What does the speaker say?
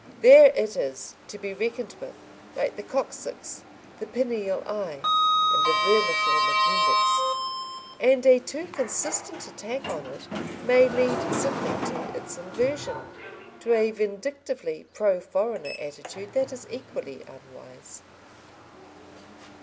There it is, to be reckoned with, like the coccyx, the pineal eye, and the vermiform appendix. And a too consistent attack on it may lead simply to its inversion, to a vindictively pro foreigner attitude that is equally unwise.